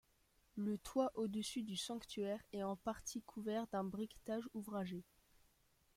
Le toit au-dessus du sanctuaire est en partie couvert d'un briquetage ouvragé.